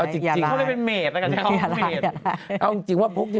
จริงเขาเล่นเมษร์ขอแฟนเมษร์